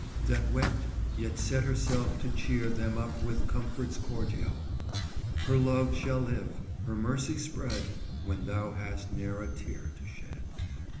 That wept, yet set herselfe to chere Them up with comforts cordiall. Her Love shall live, her mercy spread, When thou hast ne're a teare to shed."